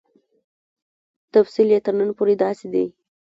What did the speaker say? تفصیل یې تر نن پورې داسې دی.